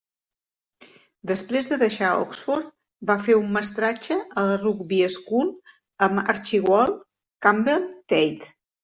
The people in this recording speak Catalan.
Després de deixar Oxford, va fer un mestratge a la Rugby School amb Archibald Campbell Tait.